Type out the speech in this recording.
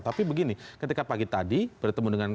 tapi begini ketika pagi tadi bertemu dengan